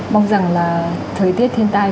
mong rằng là thời tiết thiên tai